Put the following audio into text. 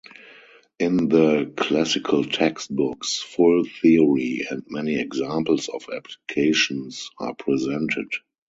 In the classical textbooks full theory and many examples of applications are presented.